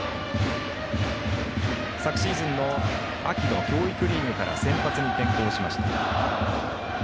昨シーズンの秋の教育リーグから先発に転向しました。